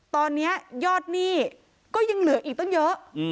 ตอนนี้ยอดหนี้ก็ยังเหลืออีกตั้งเยอะ